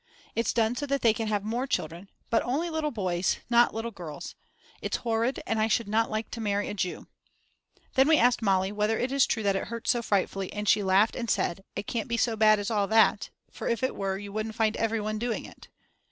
It's done so that they can have more children; but only little boys, not little girls. It's horrid, and I should not like to marry a Jew. Then we asked Mali whether it is true that it hurts so frightfully and she laughed and said: It can't be so bad as all that, for if it were you wouldn't find everyone doing it.